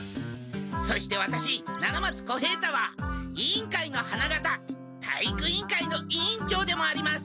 そしてワタシ七松小平太は委員会の花形体育委員会の委員長でもあります。